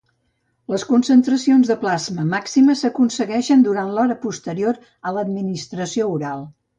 Les concentracions de plasma màximes s'aconsegueixen durant l'hora posterior a l'administració oral.